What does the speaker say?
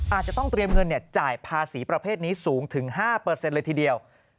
อาจจะต้องเตรียมเงินจ่ายภาษีประเภทนี้สูงถึง๕เลยทีเดียว